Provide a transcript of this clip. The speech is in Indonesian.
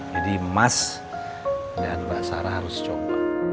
jadi mas dan mbak sarah harus coba